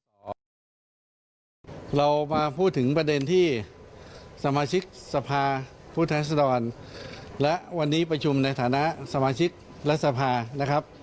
ของเรามาพูดถึงประเด็นที่สมาชิกสภาผู้แทนรัศดรและวันนี้ประชุมในฐานะสมาชิกรัฐสภานะครับ